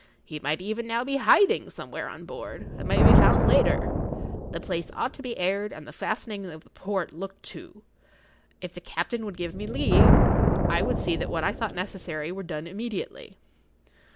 He might even now be hiding somewhere on board, and might be found later. The place ought to be aired and the fastening of the port looked to. If the captain would give me leave, I would see that what I thought necessary were done immediately.